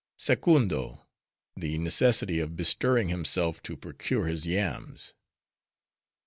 Secundo, the necessity of bestirring himself to procure his yams.